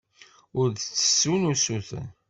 Ur d-ttessun usuten.